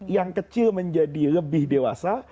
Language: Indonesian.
yang kecil menjadi lebih dewasa